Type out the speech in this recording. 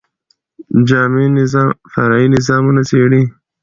د جامع نظام، فرعي نظامونه څيړي.